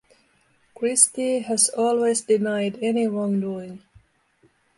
Christie has always denied any wrongdoing.